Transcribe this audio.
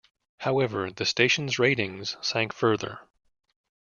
However, the station's ratings sank further.